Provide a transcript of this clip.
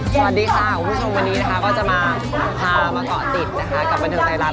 สวัสดีค่ะคุณผู้ชมวันนี้นะคะก็จะมาพามาเกาะติดนะคะกับบันเทิงไทยรัฐ